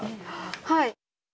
はい。